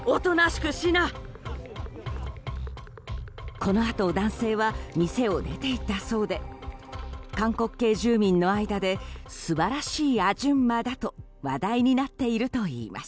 このあと、男性は店を出て行ったそうで韓国系住民の間で素晴らしいアジュンマだと話題になっているといいます。